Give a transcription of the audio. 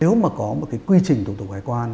nếu mà có một cái quy trình thủ tục hải quan